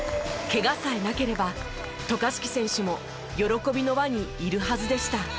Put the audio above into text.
ケガさえなければ渡嘉敷選手も喜びの輪にいるはずでした。